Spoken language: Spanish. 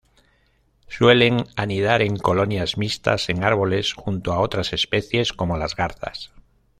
Suelen anidar en colonias mixtas en árboles junto a otras especies, como las garzas.